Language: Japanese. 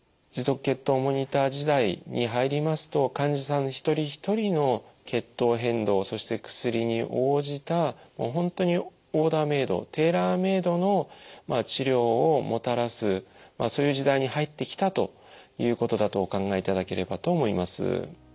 持続血糖モニター時代に入りますと患者さん一人一人の血糖変動そして薬に応じたもう本当にオーダーメードテーラーメードの治療をもたらすそういう時代に入ってきたということだとお考えいただければと思います。